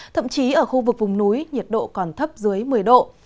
thậm chí ở khu vực vùng núi nhiệt độ còn thấp dưới một mươi độ